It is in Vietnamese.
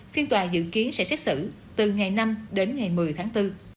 phiên tòa dự kiến sẽ xét xử từ ngày năm đến ngày một mươi tháng bốn